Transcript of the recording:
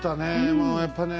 もうやっぱね